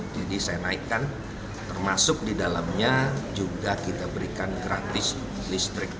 jadi saya naikkan termasuk di dalamnya juga kita berikan gratis listrik